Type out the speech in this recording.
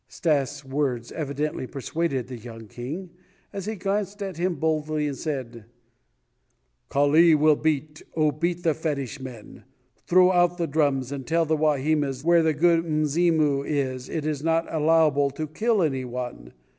Stas' words evidently persuaded the young king, as he glanced at him boldly and said: "Kali will beat, oh, beat the fetish men; throw out the drums and tell the Wahimas that there where the 'Good Mzimu' is it is not allowable to kill anyone.